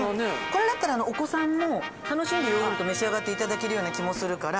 これだったらお子さんも楽しんでヨーグルト召し上がって頂けるような気もするから。